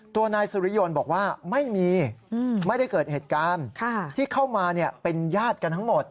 ตัวนายสุริยนต์บอกว่าไม่มีไม่ได้เกิดเหตุการณ์ที่เข้ามาเป็นญาติกันทั้งหมด